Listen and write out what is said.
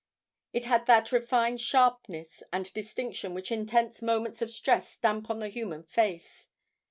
It had that refined sharpness and distinction which intense moments of stress stamp on the human face.